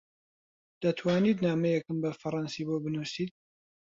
دەتوانیت نامەیەکم بە فەڕەنسی بۆ بنووسیت؟